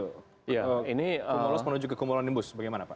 kumulus menuju ke kumulan nimbus bagaimana pak